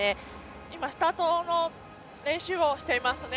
今、スタートの練習をしていますね。